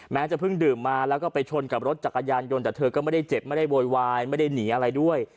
จะเพิ่งดื่มมาแล้วก็ไปชนกับรถจักรยานยนต์แต่เธอก็ไม่ได้เจ็บไม่ได้โวยวายไม่ได้หนีอะไรด้วย